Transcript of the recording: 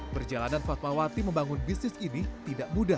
perjalanan fatmawati membangun bisnis ini tidak mudah